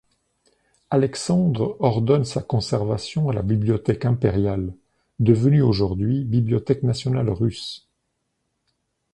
Alexandre ordonne sa conservation à la Bibliothèque impériale devenue aujourd'hui Bibliothèque nationale russe.